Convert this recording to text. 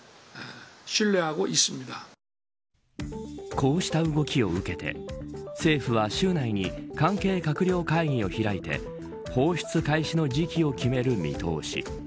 こうした動きを受けて政府は週内に関係閣僚会議を開いて放出開始の時期を決める見通し。